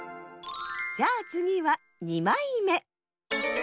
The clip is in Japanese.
じゃあつぎは２まいめ。